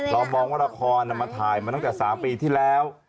มองว่าละครมาถ่ายมาตั้งแต่๓ปีที่แล้ว